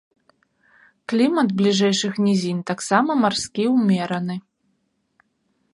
Клімат бліжэйшых нізін таксама марскі ўмераны.